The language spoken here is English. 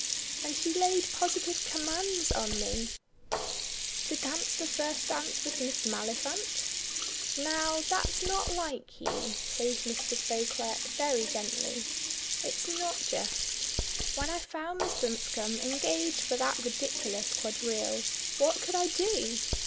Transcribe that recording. And she laid positive commands on me " "To dance the first dance with Miss Maliphant?" "Now, that's not like you," says Mr. Beauclerk very gently. "It's not just. When I found Miss Dunscombe engaged for that ridiculous quadrille, what could I do?